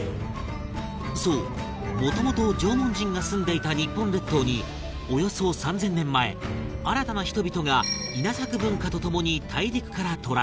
そう、もともと縄文人が住んでいた日本列島におよそ３０００年前新たな人々が稲作文化とともに大陸から渡来